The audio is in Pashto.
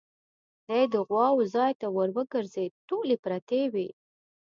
دی د غواوو ځای ته ور وګرځېد، ټولې پرتې وې.